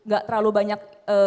gak terlalu banyak